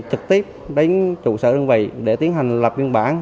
trực tiếp đến trụ sở đơn vị để tiến hành lập biên bản